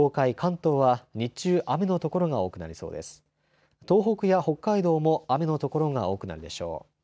東北や北海道も雨の所が多くなるでしょう。